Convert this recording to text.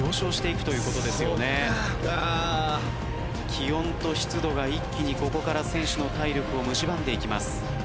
気温と湿度が一気にここから選手の体力をむしばんでいきます。